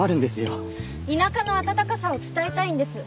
田舎の温かさを伝えたいんです。